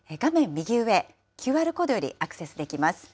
右上、ＱＲコードよりアクセスできます。